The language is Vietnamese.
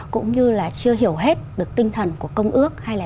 cũng như là chưa hiểu hết được tinh thần của công ước hai trăm linh ba